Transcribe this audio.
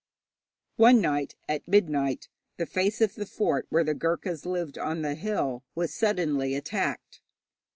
One night, at midnight, the face of the fort where the Ghurkas lived on the hill was suddenly attacked.